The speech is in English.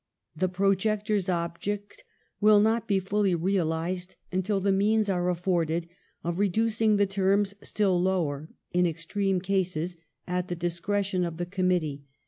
"The projectors' object will not be fully real ized until the means are afforded of reducing the terms still lower, in extreme cases, at the discre tion of the committee.